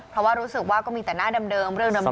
เพราะว่ารู้สึกว่าก็มีแต่หน้าเดิม